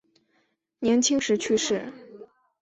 年轻时去世。